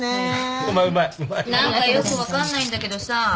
何かよく分かんないんだけどさ。